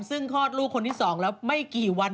ซึ่งคลอดลูกคนที่๒แล้วไม่กี่วัน